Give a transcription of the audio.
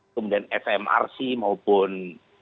kemudian smrc maupun